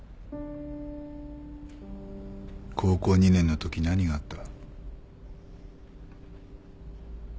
高校２年のとき何があった？